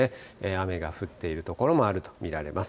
雨が降っている所もあると見られます。